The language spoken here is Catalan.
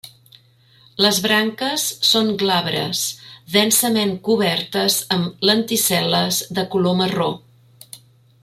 Les branques són glabres, densament cobertes amb lenticel·les de color marró.